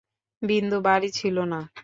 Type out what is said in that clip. বিন্দু বাড়ি ছিল না।